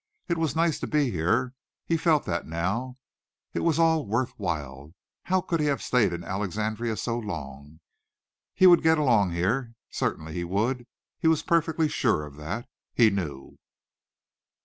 It was nice to be here. He felt that now. It was all worth while. How could he have stayed in Alexandria so long! He would get along here. Certainly he would. He was perfectly sure of that. He knew.